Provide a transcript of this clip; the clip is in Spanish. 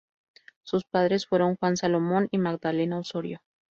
Sus padres fueron Juan Salomón y Magdalena Osorio.